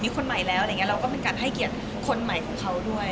มีคนใหม่แล้วเราก็เป็นการให้เกียรติคนใหม่ของเขาด้วย